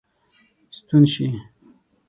ستون سي.